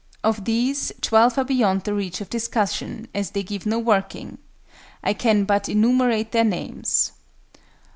Of these 12 are beyond the reach of discussion, as they give no working. I can but enumerate their names.